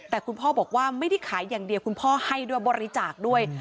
แต่คุณพ่อบอกว่าไม่ได้ขายอย่างเดียวคุณพ่อให้ด้วยบริจาคด้วย